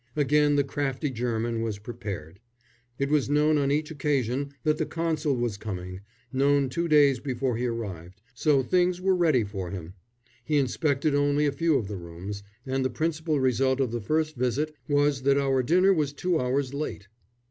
Again the crafty German was prepared. It was known on each occasion that the Consul was coming known two days before he arrived so things were ready for him. He inspected only a few of the rooms, and the principal result of the first visit was that our dinner was two hours late.